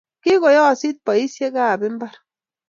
Kokoyoosit boiseikab mbar.